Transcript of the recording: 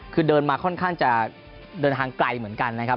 คือเดินมาค่อนข้างจะเดินทางไกลเหมือนกันนะครับ